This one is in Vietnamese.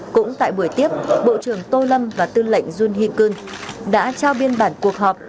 cũng tại buổi tiếp bộ trưởng tô lâm và tư lệnh jun hee keun đã trao biên bản cuộc họp